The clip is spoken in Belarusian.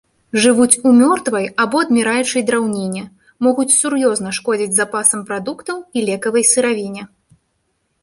Жывуць у мёртвай або адміраючай драўніне, могуць сур'ёзна шкодзіць запасам прадуктаў і лекавай сыравіне.